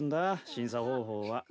審査方法は。